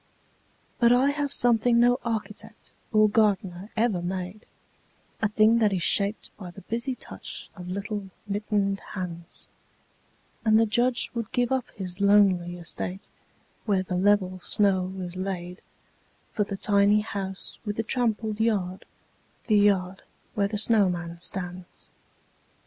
But I have something no architect or gardener ever made, A thing that is shaped by the busy touch of little mittened hands: And the Judge would give up his lonely estate, where the level snow is laid For the tiny house with the trampled yard, the yard where the snowman stands.